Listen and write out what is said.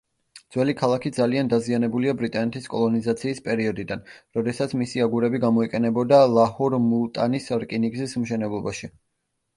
ძველი ქალაქი ძალიან დაზიანებულია ბრიტანეთის კოლონიზაციის პერიოდიდან, როდესაც მისი აგურები გამოიყენებოდა ლაჰორ—მულტანის რკინიგზის მშენებლობაში.